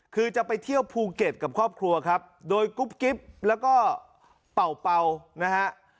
คือจะไปเที่ยวภูเก็ตกับครอบครัวครับโดยกุ๊บกิ๊บแล้วก็เป่าเป่านะฮะ